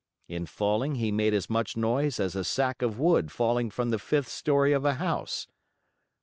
In falling, he made as much noise as a sack of wood falling from the fifth story of a house.